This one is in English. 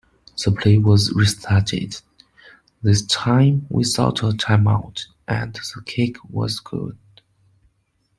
The play was restarted, this time without a timeout, and the kick was good.